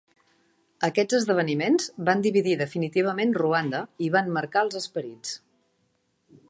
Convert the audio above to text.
Aquests esdeveniments van dividir definitivament Ruanda i van marcar els esperits.